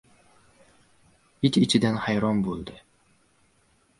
Ich-ichidan hayron bo‘ldi.